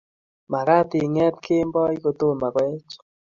Magaat ingeet kemboi kotomo koech